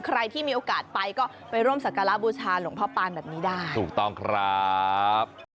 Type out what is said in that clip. ใครที่มีโอกาสไปก็ไปร่วมสักการะบูชาหลวงพ่อปานแบบนี้ได้ถูกต้องครับ